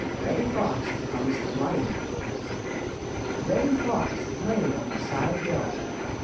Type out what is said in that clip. XIII. REDDY FOX COMES TO LIFE |REDDY FOX lay on the side hill.